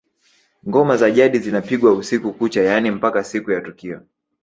Ngoma za jadi zinapigwa usiku kucha yaani mpaka siku ya tukio